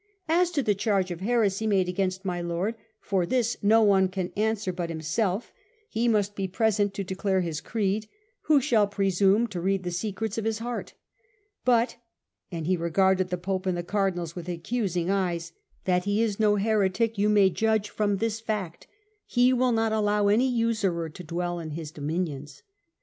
As to the charge of heresy made against my Lord, for this no one can answer but himself : he must be present to declare his creed : who shall presume to read the secrets of his heart ? But " and he regarded the Pope and his Cardinals with accusing eyes " that he is no heretic you may judge from this fact : he will not allow any usurer to dwell in his do minions."